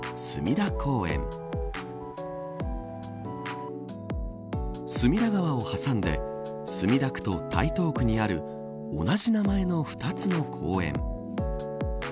隅田川を挟んで墨田区と台東区にある同じ名前の２つの公園。